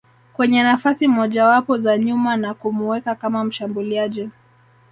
kwenye nafasi mojawapo za nyuma na kumuweka kama mshambuliaji